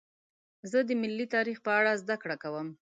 زه د ملي تاریخ په اړه زدهکړه کوم.